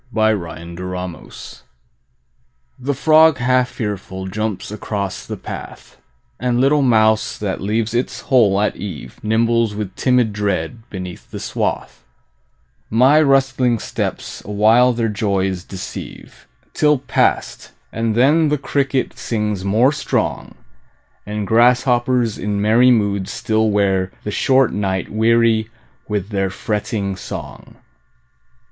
Summer Evening The frog half fearful jumps across the path, And little mouse that leaves its hole at eve Nimbles with timid dread beneath the swath; My rustling steps awhile their joys deceive, Till past, and then the cricket sings more strong, And grasshoppers in merry moods still wear The short night weary with their fretting song.